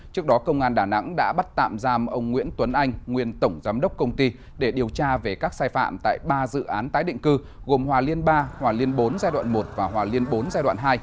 trước đó công an đà nẵng đã bắt tạm giam ông nguyễn tuấn anh nguyên tổng giám đốc công ty để điều tra về các sai phạm tại ba dự án tái định cư gồm hòa liên ba hòa liên bốn giai đoạn một và hòa liên bốn giai đoạn hai